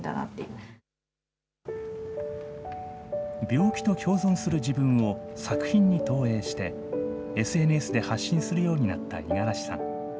病気と共存する自分を作品に投影して、ＳＮＳで発信するようになった五十嵐さん。